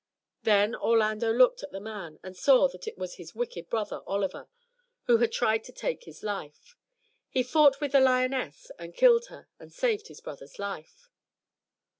Then Orlando looked at the man, and saw that it was his wicked brother, Oliver, who had tried to take his life. He fought with the lioness and killed her, and saved his brother's life.